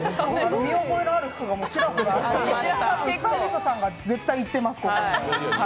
見覚えのある服がちらほらあったから、スタイリストさんが絶対行ってます。